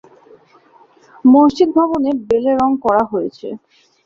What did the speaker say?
মসজিদ ভবনে বেলে রঙ করা হয়েছে।